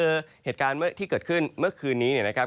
ถ้าทุกคนเธออยากเจอก็ได้เพราะเหตุการณ์เมื่อกี้